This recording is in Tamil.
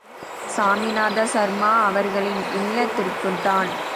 சாமிநாத சர்மா அவர்களின் இல்லத்திற்குத்தான்!